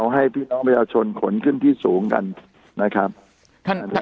เอาให้พี่น้องมาชนขนขึ้นที่สูงกันนะครับท่านท่าน